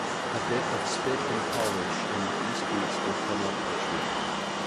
A bit of spit and polish and these boots will come up a treat.